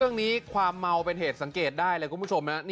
สั้นวันนี้ความเมาเป็นเหตุสังเกตได้เลยคุณผู้ชม